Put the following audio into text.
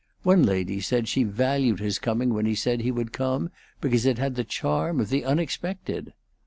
One lady said she valued his coming when he said he would come because it had the charm of the unexpected.